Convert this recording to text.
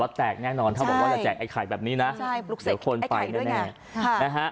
วัดแตกแน่นอนถ้าบอกว่าจะแจกไอ้ไข่แบบนี้นะเดี๋ยวคนไปแน่